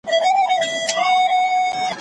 په رباني مرحله کي ژور فکر وکړئ.